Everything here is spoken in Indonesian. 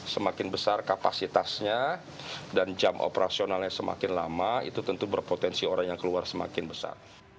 semakin besar kapasitasnya dan jam operasionalnya semakin lama itu tentu berpotensi orang yang keluar semakin besar